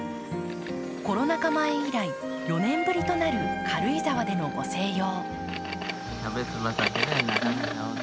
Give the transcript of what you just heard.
コロナ禍前以来、４年ぶりとなる軽井沢でのご静養。